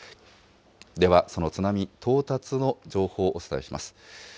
ではその津波、到達の情報、お伝えします。